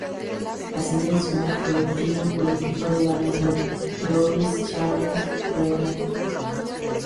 Asimismo fue el tío político del aviador Louis Charles Breguet.